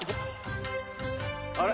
あれ？